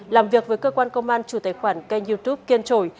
làm việc với cơ quan công an chủ tài khoản kênh youtube kiên trội